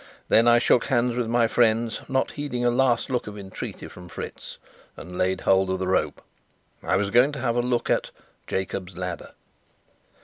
Then I shook hands with my friends, not heeding a last look of entreaty from Fritz, and laid hold of the rope. I was going to have a look at "Jacob's Ladder."